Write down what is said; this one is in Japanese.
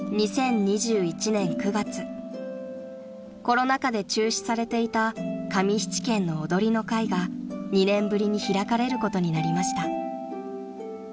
［コロナ禍で中止されていた上七軒の踊りの会が２年ぶりに開かれることになりました］